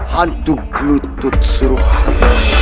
hantu gelutuk suruhan